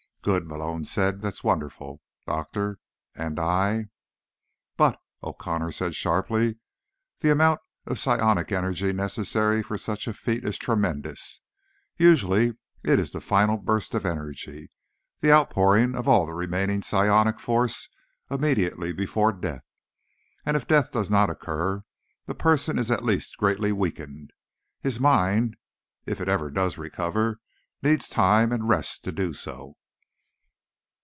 "Good," Malone said. "That's wonderful, Doctor, and I—" "But," O'Connor said sharply, "the amount of psionic energy necessary for such a feat is tremendous. Usually, it is the final burst of energy, the outpouring of all the remaining psionic force immediately before death. And if death does not occur, the person is at the least greatly weakened; his mind, if it ever does recover, needs time and rest to do so."